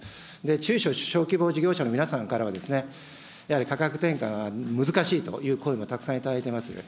中小・小規模事業者の皆さんからは、やはり価格転嫁、難しいという声もたくさん頂いてます。